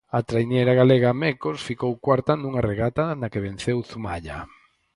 A traiñeira galega, Mecos, ficou cuarta nunha regata na que venceu Zumaia.